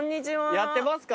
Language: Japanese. やってますか？